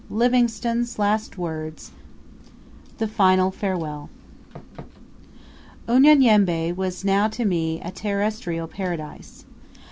LIVINGSTONE'S LAST WORDS THE FINAL FAREWELL Unyanyembe was now to me a terrestrial Paradise.